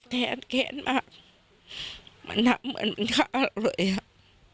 แขนมามันทำเหมือนมันฆ่าเราเลยครับ